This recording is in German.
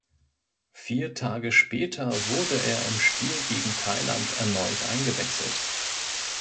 Vier Tage später wurde er im Spiel gegen Thailand erneut eingewechselt.